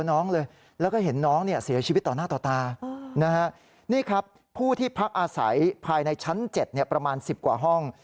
นี่ครับผู้ที่พักอาศัยภายในชั้น๗ประมาณ๑๐กว่าห้อง